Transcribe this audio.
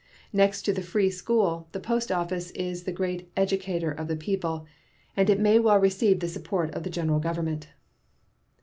Next to the free school, the post office is the great educator of the people, and it may well receive the support of the General Government.